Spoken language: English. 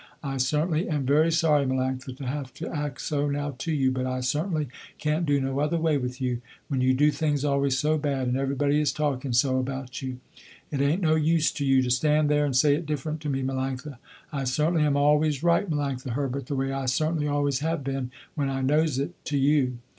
I certainly am very sorry Melanctha, to have to act so now to you, but I certainly can't do no other way with you, when you do things always so bad, and everybody is talking so about you. It ain't no use to you to stand there and say it different to me Melanctha. I certainly am always right Melanctha Herbert, the way I certainly always have been when I knows it, to you.